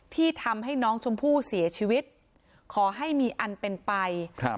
ที่ทำให้น้องชมพู่เสียชีวิตขอให้มีอันเป็นไปครับ